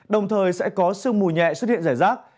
đồng thời sẽ có sương mù nhẹ xuất hiện rải rác